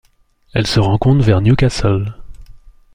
Elle se rencontre vers Newcastle.